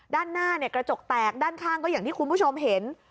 ด้านหน้ากระจกแตกด้านข้างก็อย่างที่คุณผู้ชมเห็น